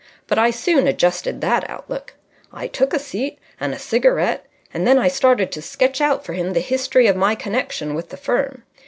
But I soon adjusted that outlook. I took a seat and a cigarette, and then I started to sketch out for him the history of my connection with the firm.